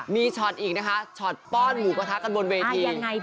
มีช็อตอีกนะคะช็อตป้อนหมูกระทะกันบนเวที